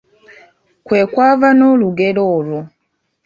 Kwe kwava n'olugero olwo.